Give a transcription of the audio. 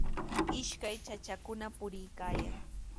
Ishkay chachakuna puriykaayan.